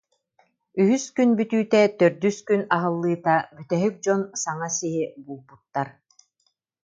Үһүс күн бүтүүтэ, төрдүс күн аһыллыыта бүтэһик дьон саҥа сиһи булбуттар